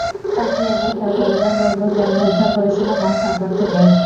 তাকে এবং তার পরিবারবর্গকে আমি উদ্ধার করেছিলাম মহা সংকট থেকে।